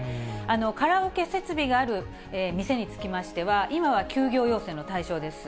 カラオケ設備がある店につきましては、今は休業要請の対象です。